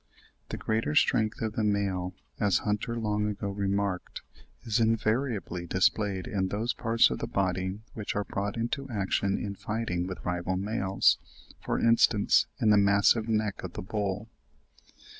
The greater strength of the male, as Hunter long ago remarked (37. 'Animal Economy,' p. 45.), is invariably displayed in those parts of the body which are brought into action in fighting with rival males—for instance, in the massive neck of the bull.